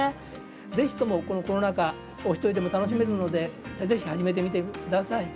ぜひともこのコロナ禍お一人でも楽しめるのでぜひ始めてみてください。